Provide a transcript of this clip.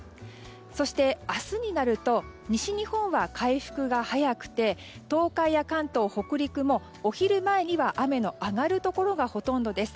そして、明日になると西日本は回復が早くて東海や関東、北陸もお昼前には雨のあがるところがほとんどです。